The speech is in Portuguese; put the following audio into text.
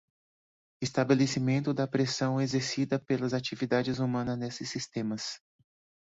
Estabelecimento da pressão exercida pelas atividades humanas nesses sistemas.